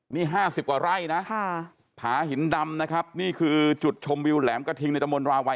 นี่๕๐กว่าไร่นะผาหินดำนะครับนี่คือจุดชมวิวแหลมกระทิงในตะมนตราวัย